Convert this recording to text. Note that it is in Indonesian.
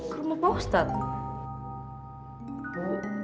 ke rumah pak ustadz